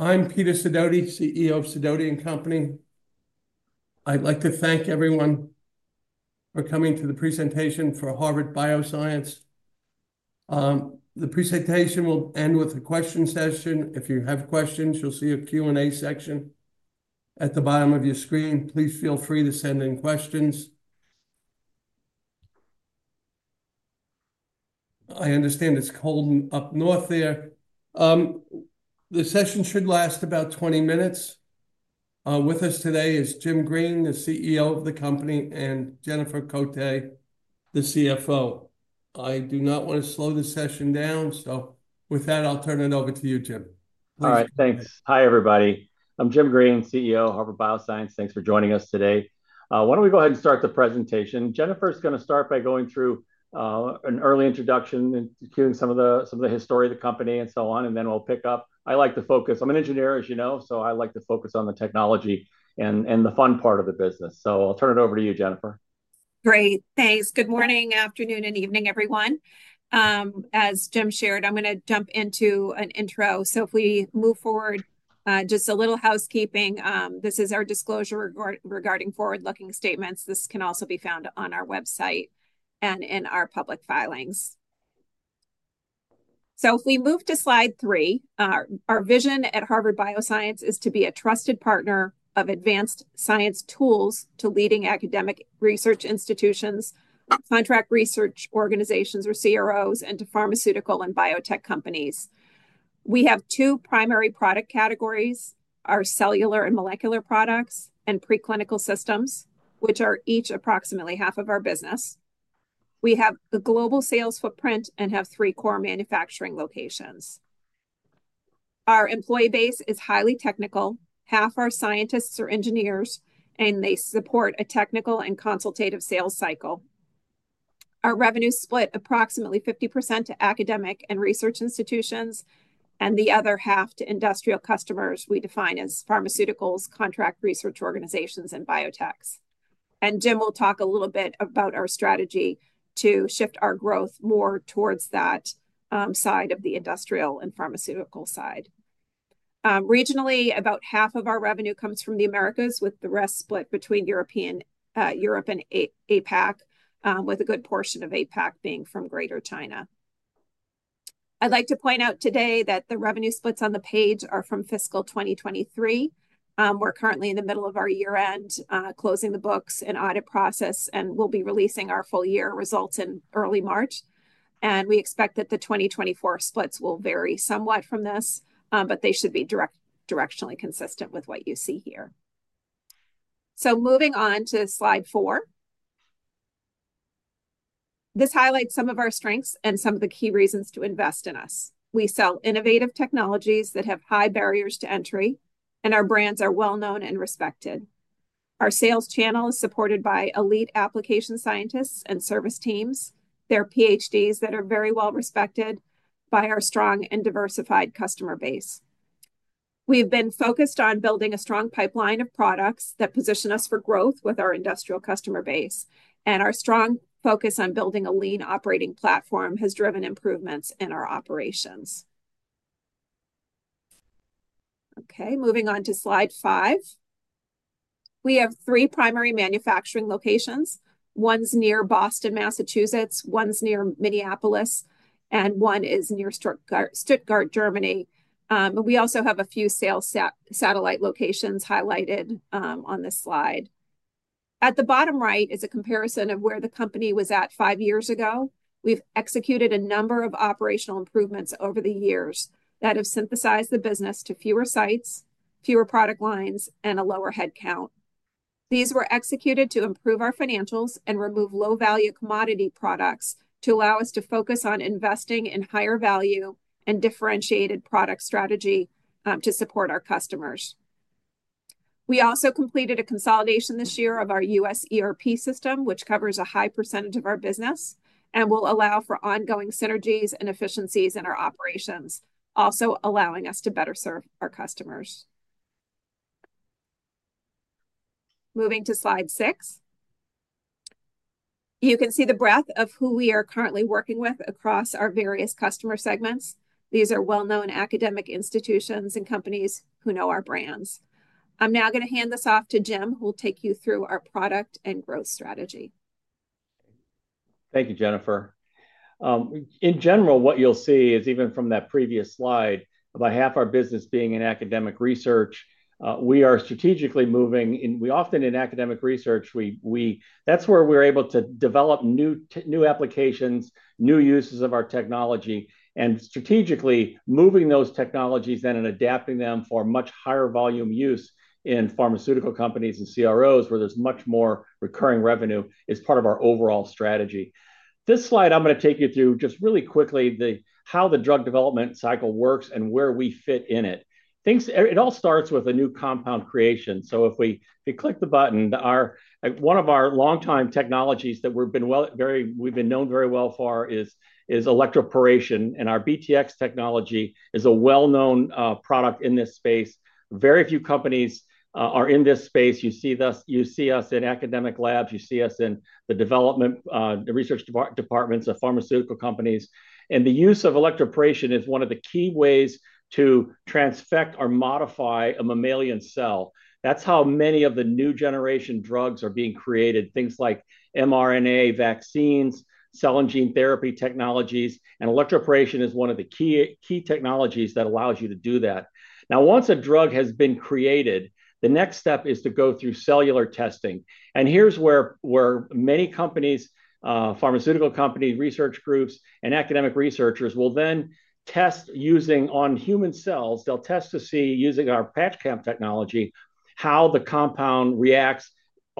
I'm Peter Sidoti, CEO of Sidoti & Company. I'd like to thank everyone for coming to the presentation for Harvard Bioscience. The presentation will end with a question session. If you have questions, you'll see a Q&A section at the bottom of your screen. Please feel free to send in questions. I understand it's cold up north there. The session should last about 20 minutes. With us today is Jim Green, the CEO of the company, and Jennifer Cote, the CFO. I do not want to slow the session down. So with that, I'll turn it over to you, Jim. All right. Thanks. Hi, everybody. I'm Jim Green, CEO of Harvard Bioscience. Thanks for joining us today. Why don't we go ahead and start the presentation? Jennifer's going to start by going through an early introduction, including some of the history of the company and so on, and then we'll pick up. I like to focus, I'm an engineer, as you know, so I like to focus on the technology and the fun part of the business. So I'll turn it over to you, Jennifer. Great. Thanks. Good morning, afternoon, and evening, everyone. As Jim shared, I'm going to jump into an intro. So if we move forward, just a little housekeeping. This is our disclosure regarding forward-looking statements. This can also be found on our website and in our public filings. So if we move to slide three, our vision at Harvard Bioscience is to be a trusted partner of advanced science tools to leading academic research institutions, contract research organizations, or CROs, and to pharmaceutical and biotech companies. We have two primary product categories: our cellular and molecular products and preclinical systems, which are each approximately half of our business. We have a global sales footprint and have three core manufacturing locations. Our employee base is highly technical. Half are scientists or engineers, and they support a technical and consultative sales cycle. Our revenue split approximately 50% to academic and research institutions and the other half to industrial customers we define as pharmaceuticals, contract research organizations, and biotechs. And Jim will talk a little bit about our strategy to shift our growth more towards that side of the industrial and pharmaceutical side. Regionally, about half of our revenue comes from the Americas, with the rest split between Europe and APAC, with a good portion of APAC being from Greater China. I'd like to point out today that the revenue splits on the page are from fiscal 2023. We're currently in the middle of our year-end, closing the books and audit process, and we'll be releasing our full-year results in early March. And we expect that the 2024 splits will vary somewhat from this, but they should be directionally consistent with what you see here. So moving on to slide four, this highlights some of our strengths and some of the key reasons to invest in us. We sell innovative technologies that have high barriers to entry, and our brands are well-known and respected. Our sales channel is supported by elite application scientists and service teams, their PhDs that are very well respected by our strong and diversified customer base. We've been focused on building a strong pipeline of products that position us for growth with our industrial customer base. And our strong focus on building a lean operating platform has driven improvements in our operations. OK, moving on to slide five. We have three primary manufacturing locations. One's near Boston, Massachusetts. One's near Minneapolis. And one is near Stuttgart, Germany. We also have a few sales satellite locations highlighted on this slide. At the bottom right is a comparison of where the company was at five years ago. We've executed a number of operational improvements over the years that have synthesized the business to fewer sites, fewer product lines, and a lower headcount. These were executed to improve our financials and remove low-value commodity products to allow us to focus on investing in higher value and differentiated product strategy to support our customers. We also completed a consolidation this year of our U.S. ERP system, which covers a high percentage of our business and will allow for ongoing synergies and efficiencies in our operations, also allowing us to better serve our customers. Moving to slide six, you can see the breadth of who we are currently working with across our various customer segments. These are well-known academic institutions and companies who know our brands. I'm now going to hand this off to Jim, who will take you through our product and growth strategy. Thank you, Jennifer. In general, what you'll see is, even from that previous slide, about half our business being in academic research. We are strategically moving, and we often in academic research, that's where we're able to develop new applications, new uses of our technology, and strategically moving those technologies then and adapting them for much higher volume use in pharmaceutical companies and CROs, where there's much more recurring revenue, is part of our overall strategy. This slide, I'm going to take you through just really quickly how the drug development cycle works and where we fit in it. It all starts with a new compound creation. So if we click the button, one of our longtime technologies that we've been known very well for is electroporation. And our BTX technology is a well-known product in this space. Very few companies are in this space. You see us in academic labs. You see us in the development, the research departments of pharmaceutical companies, and the use of electroporation is one of the key ways to transfect or modify a mammalian cell. That's how many of the new generation drugs are being created, things like mRNA vaccines, cell and gene therapy technologies, and electroporation is one of the key technologies that allows you to do that. Now, once a drug has been created, the next step is to go through cellular testing, and here's where many companies, pharmaceutical companies, research groups, and academic researchers will then test using on human cells. They'll test to see, using our patch clamp technology, how the compound reacts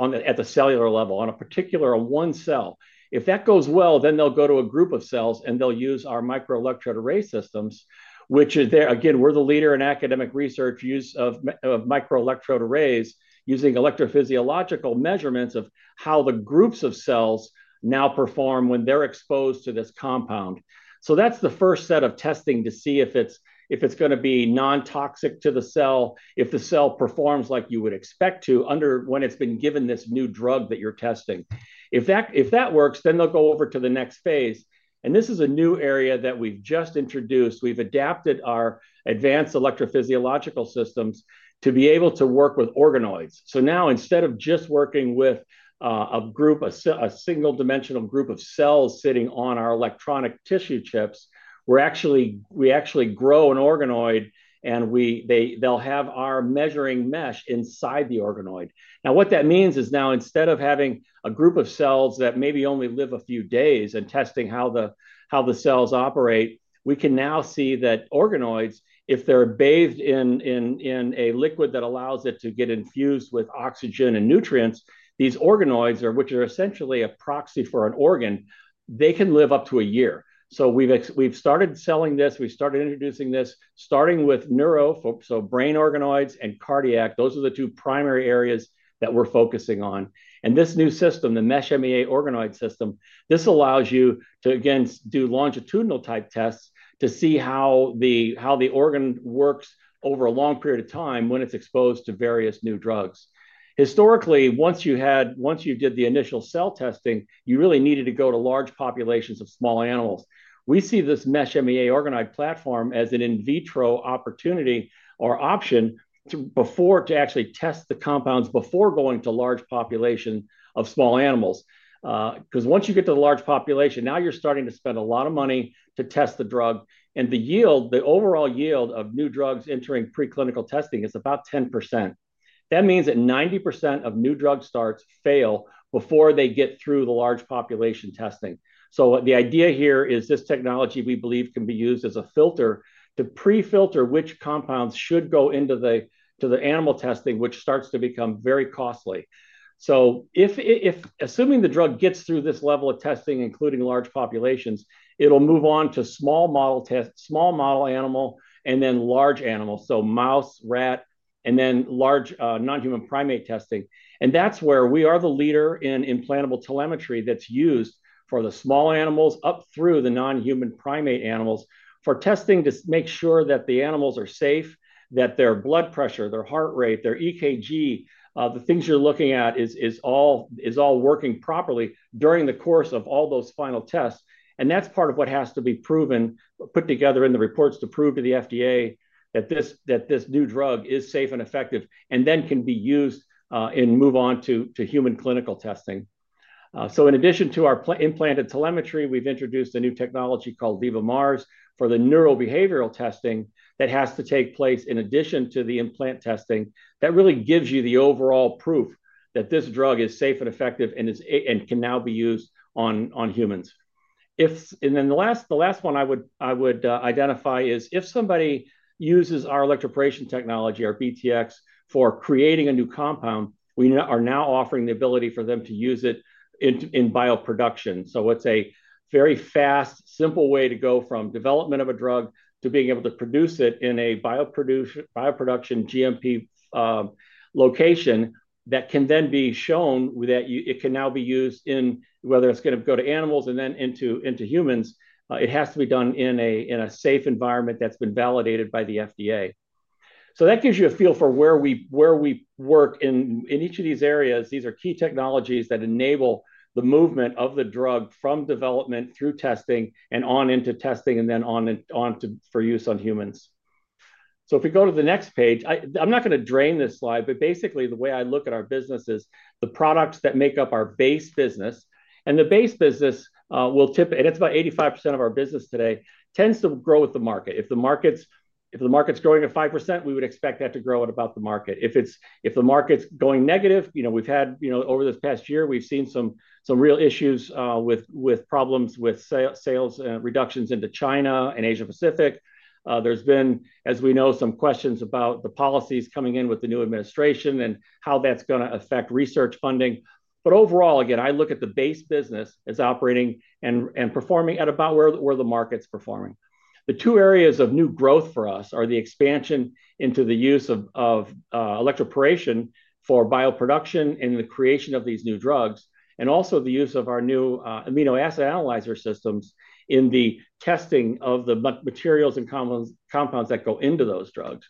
at the cellular level, on a particular one cell. If that goes well, then they'll go to a group of cells, and they'll use our microelectrode array systems, which is there. Again, we're the leader in academic research use of microelectrode arrays using electrophysiological measurements of how the groups of cells now perform when they're exposed to this compound. So that's the first set of testing to see if it's going to be non-toxic to the cell, if the cell performs like you would expect to under when it's been given this new drug that you're testing. If that works, then they'll go over to the next phase. And this is a new area that we've just introduced. We've adapted our advanced electrophysiological systems to be able to work with organoids. So now, instead of just working with a single-dimensional group of cells sitting on our electronic tissue chips, we actually grow an organoid, and they'll have our Mesh MEA inside the organoid. Now, what that means is now, instead of having a group of cells that maybe only live a few days and testing how the cells operate, we can now see that organoids, if they're bathed in a liquid that allows it to get infused with oxygen and nutrients, these organoids, which are essentially a proxy for an organ, they can live up to a year, so we've started selling this. We've started introducing this, starting with neuro, so brain organoids, and cardiac. Those are the two primary areas that we're focusing on, and this new system, the Mesh MEA organoid system, this allows you to, again, do longitudinal-type tests to see how the organ works over a long period of time when it's exposed to various new drugs. Historically, once you did the initial cell testing, you really needed to go to large populations of small animals. We see this Mesh MEA organoid platform as an in vitro opportunity or option to actually test the compounds before going to large populations of small animals. Because once you get to the large population, now you're starting to spend a lot of money to test the drug, and the overall yield of new drugs entering preclinical testing is about 10%. That means that 90% of new drug starts fail before they get through the large population testing, so the idea here is this technology, we believe, can be used as a filter to prefilter which compounds should go into the animal testing, which starts to become very costly, so assuming the drug gets through this level of testing, including large populations, it'll move on to small model animal and then large animals, so mouse, rat, and then large nonhuman primate testing. And that's where we are the leader in implantable telemetry that's used for the small animals up through the nonhuman primate animals for testing to make sure that the animals are safe, that their blood pressure, their heart rate, their EKG, the things you're looking at is all working properly during the course of all those final tests. And that's part of what has to be put together in the reports to prove to the FDA that this new drug is safe and effective and then can be used and move on to human clinical testing. So in addition to our implanted telemetry, we've introduced a new technology called VivaMARS for the neurobehavioral testing that has to take place in addition to the implant testing that really gives you the overall proof that this drug is safe and effective and can now be used on humans. The last one I would identify is if somebody uses our electroporation technology, our BTX, for creating a new compound. We are now offering the ability for them to use it in bioproduction. It's a very fast, simple way to go from development of a drug to being able to produce it in a bioproduction GMP location that can then be shown that it can now be used in whether it's going to go to animals and then into humans. It has to be done in a safe environment that's been validated by the FDA. That gives you a feel for where we work. In each of these areas, these are key technologies that enable the movement of the drug from development through testing and on into testing and then on for use on humans. So if we go to the next page, I'm not going to dwell on this slide, but basically, the way I look at our business is the products that make up our base business. And the base business, it's about 85% of our business today, tends to grow with the market. If the market's growing at 5%, we would expect that to grow at about the market. If the market's going negative, we've had over this past year, we've seen some real issues with sales reductions into China and Asia-Pacific. There's been, as we know, some questions about the policies coming in with the new administration and how that's going to affect research funding. But overall, again, I look at the base business as operating and performing at about where the market's performing. The two areas of new growth for us are the expansion into the use of electroporation for bioproduction and the creation of these new drugs, and also the use of our new amino acid analyzer systems in the testing of the materials and compounds that go into those drugs,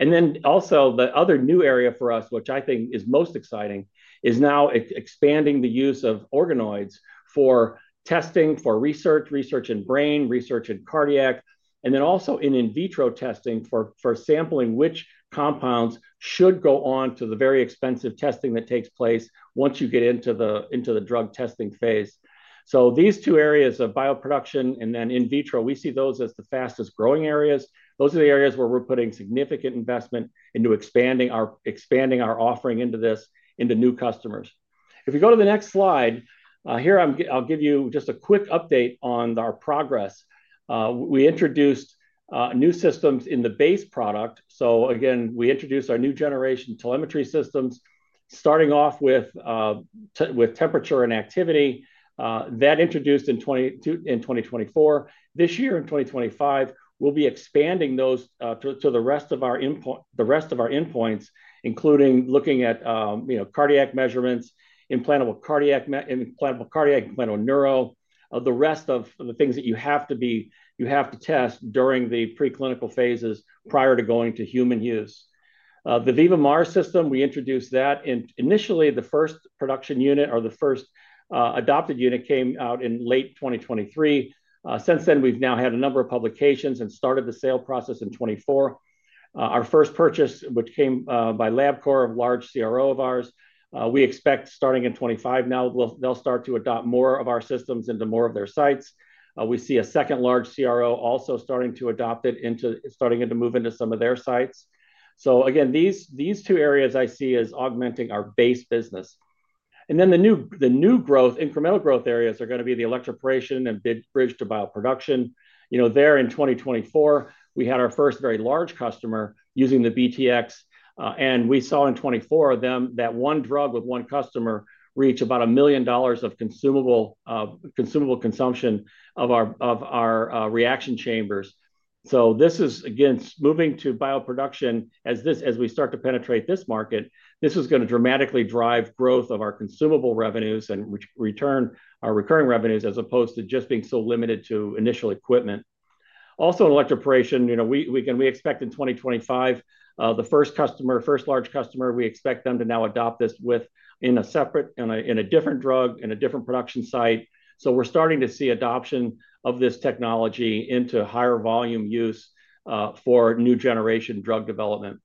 and then also, the other new area for us, which I think is most exciting, is now expanding the use of organoids for testing for research in brain, research in cardiac, and then also in vitro testing for sampling which compounds should go on to the very expensive testing that takes place once you get into the drug testing phase, so these two areas of bioproduction and then in vitro, we see those as the fastest growing areas, those are the areas where we're putting significant investment into expanding our offering into this, into new customers. If we go to the next slide, here I'll give you just a quick update on our progress. We introduced new systems in the base product. So again, we introduced our new generation telemetry systems, starting off with temperature and activity. That introduced in 2024. This year in 2025, we'll be expanding those to the rest of our endpoints, including looking at cardiac measurements, implantable cardiac, implantable neuro, the rest of the things that you have to test during the preclinical phases prior to going to human use. The VivaMARS system, we introduced that. Initially, the first production unit or the first adopted unit came out in late 2023. Since then, we've now had a number of publications and started the sale process in 2024. Our first purchase, which came by Labcorp, a large CRO of ours, we expect starting in 2025 now, they'll start to adopt more of our systems into more of their sites. We see a second large CRO also starting to adopt it into, starting to move into some of their sites, so again, these two areas I see as augmenting our base business, and then the new growth, incremental growth areas are going to be the electroporation and bridge to bioproduction. There in 2024, we had our first very large customer using the BTX, and we saw in 2024 that one drug with one customer reached about $1 million of consumable consumption of our reaction chambers, so this is, again, moving to bioproduction as we start to penetrate this market. This is going to dramatically drive growth of our consumable revenues and return our recurring revenues as opposed to just being so limited to initial equipment. Also, electroporation, we expect in 2025, the first customer, first large customer, we expect them to now adopt this in a separate, in a different drug, in a different production site. So we're starting to see adoption of this technology into higher volume use for new generation drug development.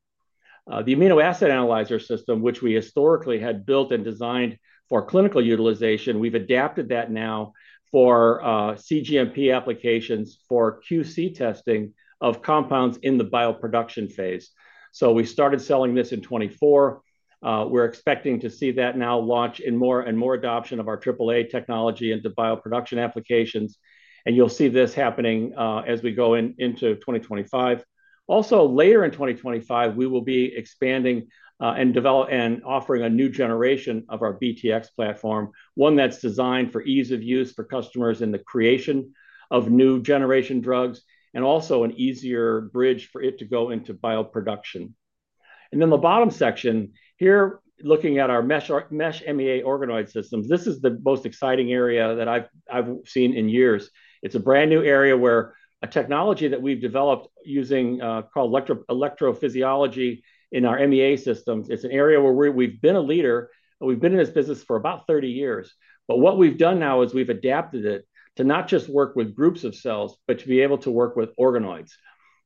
The amino acid analyzer system, which we historically had built and designed for clinical utilization, we've adapted that now for CGMP applications for QC testing of compounds in the bioproduction phase. So we started selling this in 2024. We're expecting to see that now launch in more and more adoption of our AAA technology into bioproduction applications. And you'll see this happening as we go into 2025. Also, later in 2025, we will be expanding and offering a new generation of our BTX platform, one that's designed for ease of use for customers in the creation of new generation drugs and also an easier bridge for it to go into bioproduction, and then the bottom section here, looking at our Mesh MEA organoid systems, this is the most exciting area that I've seen in years. It's a brand new area where a technology that we've developed using called electrophysiology in our MEA systems. It's an area where we've been a leader. We've been in this business for about 30 years. But what we've done now is we've adapted it to not just work with groups of cells, but to be able to work with organoids.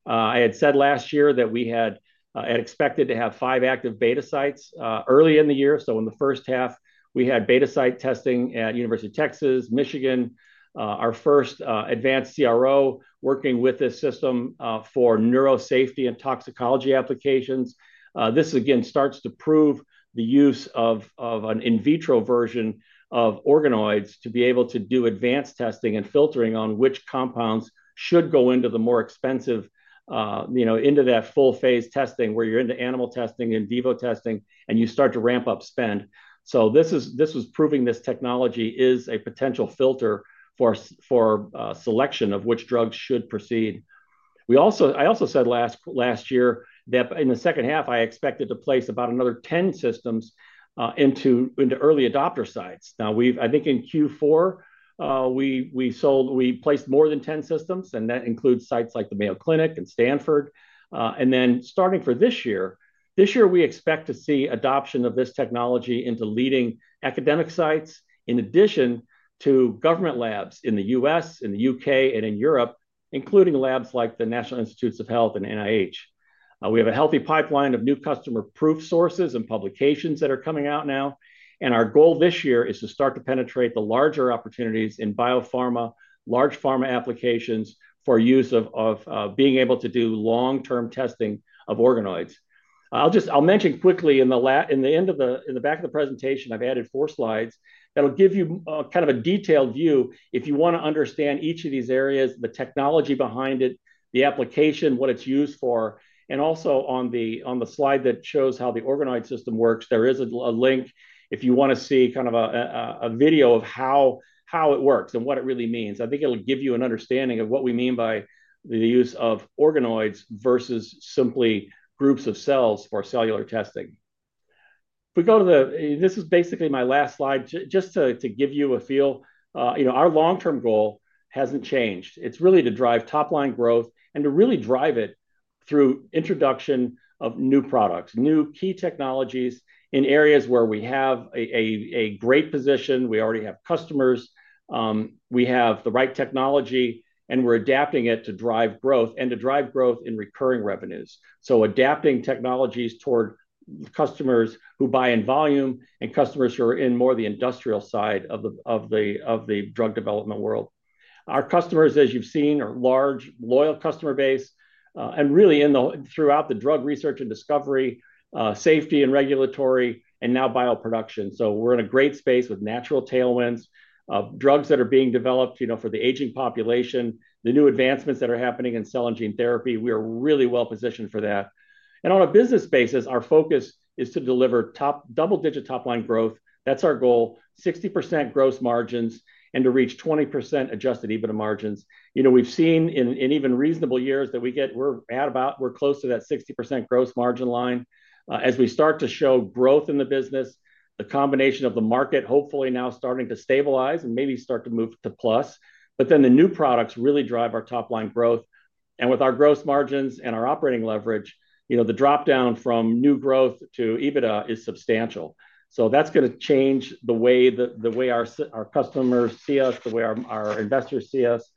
I had said last year that we had expected to have five active beta sites early in the year. So in the first half, we had beta site testing at University of Texas, Michigan, our first advanced CRO working with this system for neurosafety and toxicology applications. This, again, starts to prove the use of an in vitro version of organoids to be able to do advanced testing and filtering on which compounds should go into the more expensive into that full phase testing where you're into animal testing and in vivo testing, and you start to ramp up spend. So this was proving this technology is a potential filter for selection of which drugs should proceed. I also said last year that in the second half, I expected to place about another 10 systems into early adopter sites. Now, I think in Q4, we placed more than 10 systems, and that includes sites like the Mayo Clinic and Stanford. And then, starting for this year, this year, we expect to see adoption of this technology into leading academic sites in addition to government labs in the U.S., in the U.K., and in Europe, including labs like the National Institutes of Health and NIH. We have a healthy pipeline of new customer proof sources and publications that are coming out now. And our goal this year is to start to penetrate the larger opportunities in biopharma, large pharma applications for use of being able to do long-term testing of organoids. I'll mention quickly in the end of the back of the presentation; I've added four slides that'll give you kind of a detailed view if you want to understand each of these areas, the technology behind it, the application, what it's used for. And also on the slide that shows how the organoid system works, there is a link if you want to see kind of a video of how it works and what it really means. I think it'll give you an understanding of what we mean by the use of organoids versus simply groups of cells for cellular testing. This is basically my last slide just to give you a feel. Our long-term goal hasn't changed. It's really to drive top-line growth and to really drive it through introduction of new products, new key technologies in areas where we have a great position. We already have customers. We have the right technology, and we're adapting it to drive growth and to drive growth in recurring revenues. So adapting technologies toward customers who buy in volume and customers who are in more the industrial side of the drug development world. Our customers, as you've seen, are large, loyal customer base, and really throughout the drug research and discovery, safety and regulatory, and now bioproduction so we're in a great space with natural tailwinds, drugs that are being developed for the aging population, the new advancements that are happening in cell and gene therapy. We are really well positioned for that and on a business basis, our focus is to deliver double-digit top-line growth. That's our goal, 60% gross margins and to reach 20% adjusted EBITDA margins. We've seen in even reasonable years that we're close to that 60% gross margin line as we start to show growth in the business, the combination of the market hopefully now starting to stabilize and maybe start to move to plus but then the new products really drive our top-line growth. And with our gross margins and our operating leverage, the dropdown from new growth to EBITDA is substantial. So that's going to change the way our customers see us, the way our investors see us.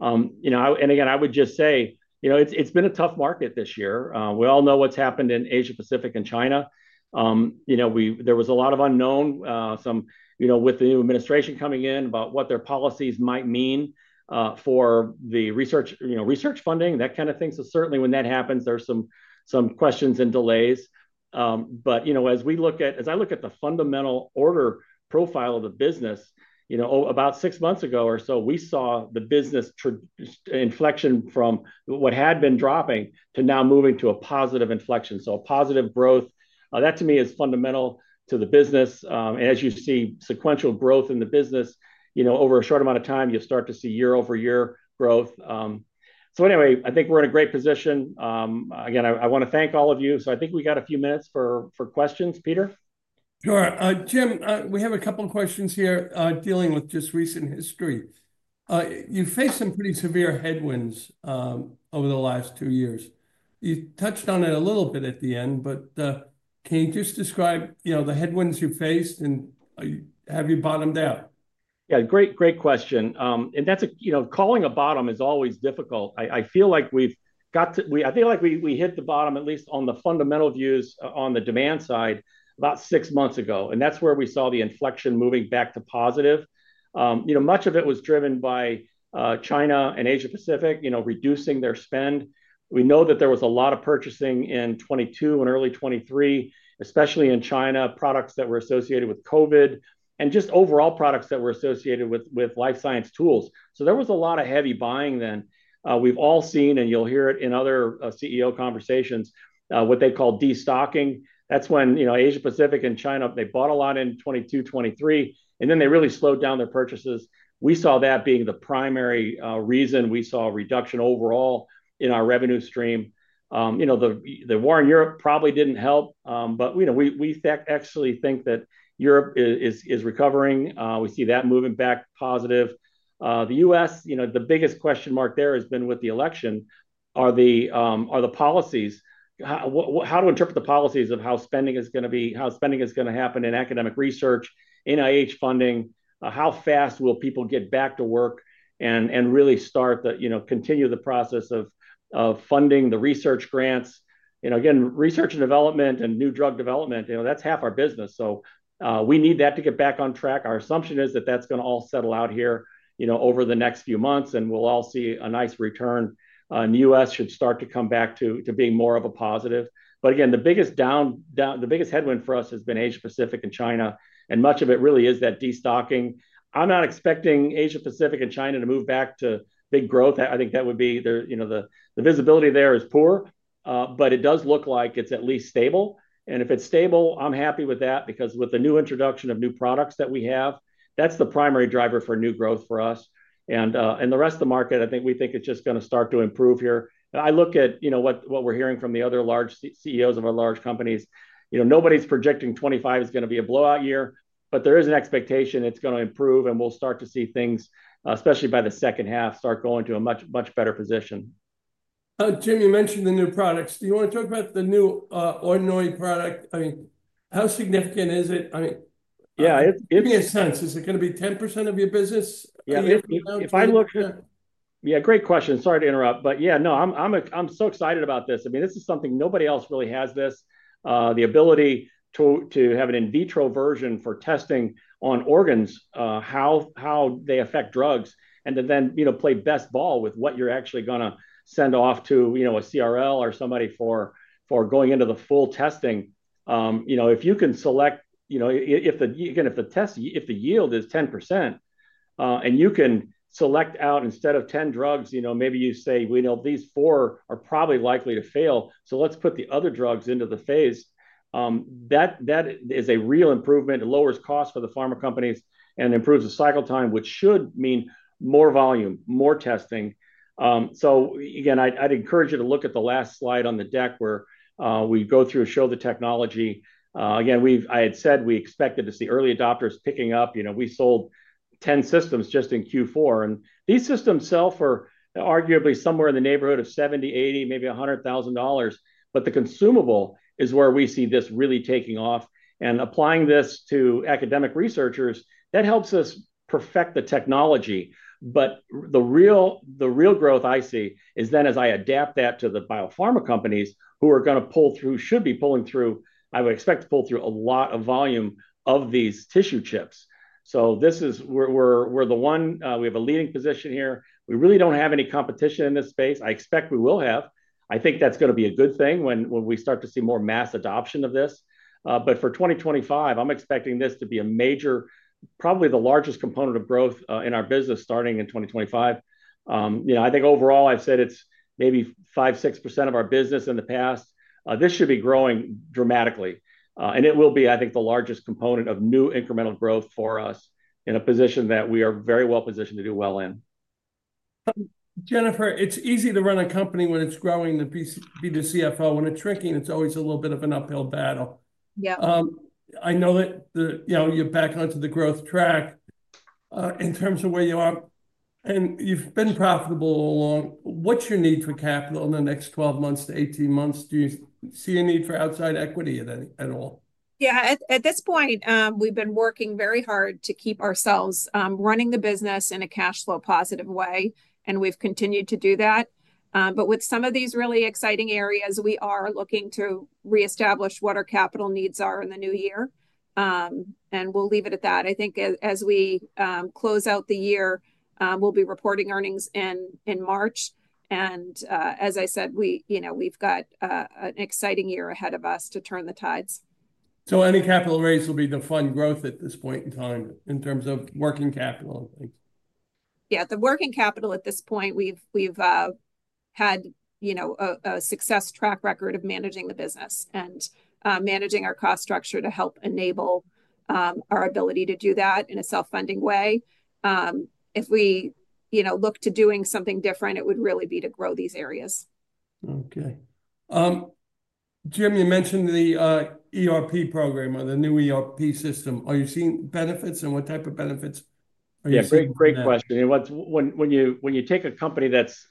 And again, I would just say it's been a tough market this year. We all know what's happened in Asia-Pacific and China. There was a lot of unknown with the new administration coming in about what their policies might mean for the research funding, that kind of thing. So certainly when that happens, there's some questions and delays. But as we look at, as I look at the fundamental order profile of the business, about six months ago or so, we saw the business inflection from what had been dropping to now moving to a positive inflection. So a positive growth, that to me is fundamental to the business. And as you see sequential growth in the business, over a short amount of time, you start to see year-over-year growth. So anyway, I think we're in a great position. Again, I want to thank all of you. So I think we got a few minutes for questions. Peter? Sure. Jim, we have a couple of questions here dealing with just recent history. You faced some pretty severe headwinds over the last two years. You touched on it a little bit at the end, but can you just describe the headwinds you faced and have you bottomed out? Yeah, great question. And calling a bottom is always difficult. I feel like we've got to, I feel like we hit the bottom, at least on the fundamental views on the demand side, about six months ago. And that's where we saw the inflection moving back to positive. Much of it was driven by China and Asia-Pacific reducing their spend. We know that there was a lot of purchasing in 2022 and early 2023, especially in China, products that were associated with COVID and just overall products that were associated with life science tools. So there was a lot of heavy buying then. We've all seen, and you'll hear it in other CEO conversations, what they call destocking. That's when Asia-Pacific and China, they bought a lot in 2022, 2023, and then they really slowed down their purchases. We saw that being the primary reason we saw a reduction overall in our revenue stream. The war in Europe probably didn't help, but we actually think that Europe is recovering. We see that moving back positive. The U.S., the biggest question mark there has been with the election, are the policies. How to interpret the policies of how spending is going to be, how spending is going to happen in academic research, NIH funding, how fast will people get back to work and really continue the process of funding the research grants. Again, research and development and new drug development, that's half our business, so we need that to get back on track. Our assumption is that that's going to all settle out here over the next few months, and we'll all see a nice return. The U.S. should start to come back to being more of a positive, but again, the biggest headwind for us has been Asia-Pacific and China, and much of it really is that destocking. I'm not expecting Asia-Pacific and China to move back to big growth. I think that would be the visibility there is poor, but it does look like it's at least stable. And if it's stable, I'm happy with that because with the new introduction of new products that we have, that's the primary driver for new growth for us. And the rest of the market, I think we think it's just going to start to improve here. I look at what we're hearing from the other large CEOs of our large companies. Nobody's projecting 2025 is going to be a blowout year, but there is an expectation it's going to improve and we'll start to see things, especially by the second half, start going to a much better position. Jim, you mentioned the new products. Do you want to talk about the new organoid product? I mean, how significant is it? I mean, give me a sense. Yeah Is it going to be 10% of your business? Yeah, great question. Sorry to interrupt, but yeah, no, I'm so excited about this. I mean, this is something nobody else really has this, the ability to have an in vitro version for testing on organs, how they affect drugs, and to then play best ball with what you're actually going to send off to a CRO or somebody for going into the full testing. If you can select, again, if the yield is 10% and you can select out instead of 10 drugs, maybe you say, "These four are probably likely to fail. So let's put the other drugs into the phase." That is a real improvement. It lowers costs for the pharma companies and improves the cycle time, which should mean more volume, more testing. So again, I'd encourage you to look at the last slide on the deck where we go through and show the technology. Again, I had said we expected to see early adopters picking up. We sold 10 systems just in Q4. And these systems sell for arguably somewhere in the neighborhood of $70,000-$80,000, maybe $100,000. But the consumable is where we see this really taking off. And applying this to academic researchers, that helps us perfect the technology. But the real growth I see is then as I adapt that to the biopharma companies who are going to pull through, should be pulling through, I would expect to pull through a lot of volume of these tissue chips. So we're the one, we have a leading position here. We really don't have any competition in this space. I expect we will have. I think that's going to be a good thing when we start to see more mass adoption of this. But for 2025, I'm expecting this to be a major, probably the largest component of growth in our business starting in 2025. I think overall, I've said it's maybe 5%-6% of our business in the past. This should be growing dramatically. And it will be, I think, the largest component of new incremental growth for us in a position that we are very well positioned to do well in. Jennifer, it's easy to run a company when it's growing to be the CFO. When it's shrinking, it's always a little bit of an uphill battle. Yeah. I know that you're back onto the growth track in terms of where you are. And you've been profitable all along. What's your need for capital in the next 12 months to 18 months? Do you see a need for outside equity at all? Yeah. At this point, we've been working very hard to keep ourselves running the business in a cash flow positive way. And we've continued to do that. But with some of these really exciting areas, we are looking to reestablish what our capital needs are in the new year. And we'll leave it at that. I think as we close out the year, we'll be reporting earnings in March. And as I said, we've got an exciting year ahead of us to turn the tides. So any capital raise will be the fun growth at this point in time in terms of working capital and things? Yeah. The working capital at this point, we've had a success track record of managing the business and managing our cost structure to help enable our ability to do that in a self-funding way. If we look to doing something different, it would really be to grow these areas. Okay. Jim, you mentioned the ERP program or the new ERP system. Are you seeing benefits and what type of benefits are you seeing? Yeah, great question. When you take a company that's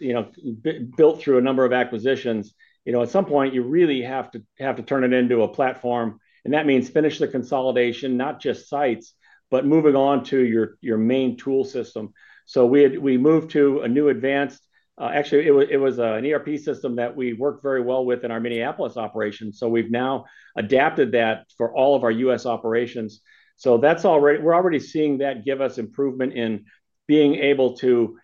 built through a number of acquisitions, at some point, you really have to turn it into a platform. And that means finish the consolidation, not just sites, but moving on to your main tool system. So we moved to a new advanced, actually, it was an ERP system that we worked very well with in our Minneapolis operation. So we've now adapted that for all of our U.S. operations. So we're already seeing that give us improvement in being able to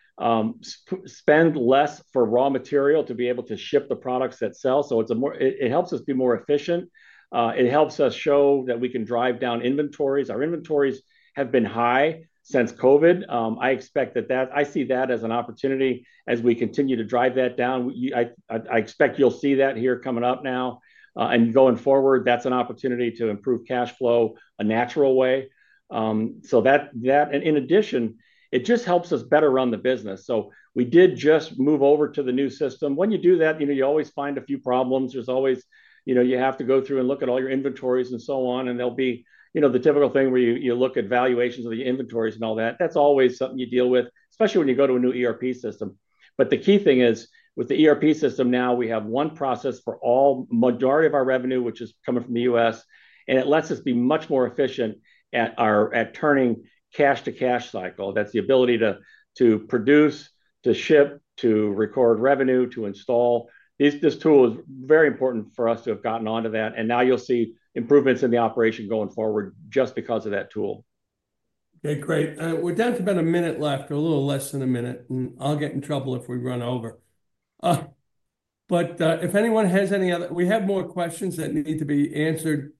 spend less for raw material to be able to ship the products that sell. So it helps us be more efficient. It helps us show that we can drive down inventories. Our inventories have been high since COVID. I see that as an opportunity as we continue to drive that down. I expect you'll see that here coming up now. Going forward, that's an opportunity to improve cash flow a natural way. That, in addition, just helps us better run the business. We did just move over to the new system. When you do that, you always find a few problems. You have to go through and look at all your inventories and so on. There'll be the typical thing where you look at valuations of the inventories and all that. That's always something you deal with, especially when you go to a new ERP system. The key thing is with the ERP system now, we have one process for all majority of our revenue, which is coming from the U.S. And it lets us be much more efficient at turning cash-to-cash cycle. That's the ability to produce, to ship, to record revenue, to install. This tool is very important for us to have gotten onto that. And now you'll see improvements in the operation going forward just because of that tool. Okay, great. We're down to about a minute left, a little less than a minute. And I'll get in trouble if we run over. But if anyone has any other, we have more questions that need to be answered.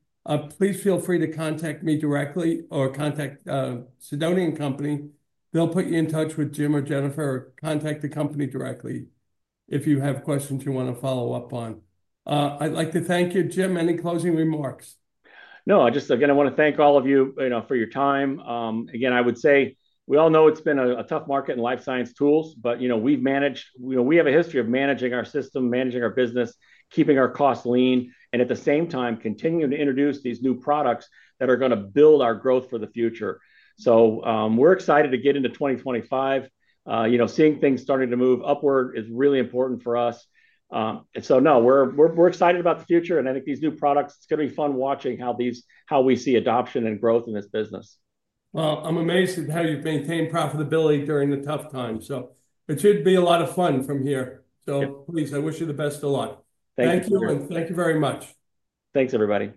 Please feel free to contact me directly or contact Sidoti & Company. They'll put you in touch with Jim or Jennifer or contact the company directly if you have questions you want to follow up on. I'd like to thank you, Jim. Any closing remarks? No, again, I want to thank all of you for your time. Again, I would say we all know it's been a tough market in life science tools, but we've managed. We have a history of managing our system, managing our business, keeping our costs lean, and at the same time, continuing to introduce these new products that are going to build our growth for the future. So we're excited to get into 2025. Seeing things starting to move upward is really important for us. So no, we're excited about the future. And I think these new products, it's going to be fun watching how we see adoption and growth in this business. Well, I'm amazed at how you've maintained profitability during the tough time. So it should be a lot of fun from here. So please, I wish you the best of luck. Thank you. Thank you very much. Thanks, everybody.